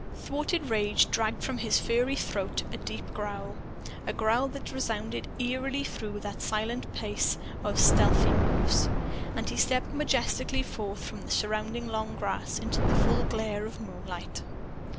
Thwarted rage dragged from his furry throat a deep growl; a growl that resounded eerily through that silent place of stealthy moves. And he stepped majestically forth from the surrounding long grass, into the full glare of moonlight.